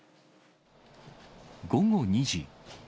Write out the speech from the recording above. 午後２時。